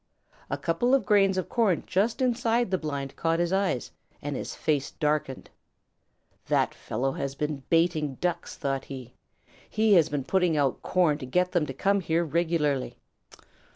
A couple of grains of corn just inside the blind caught his eyes, and his face darkened. "That fellow has been baiting Ducks," thought he. "He has been putting out corn to get them to come here regularly.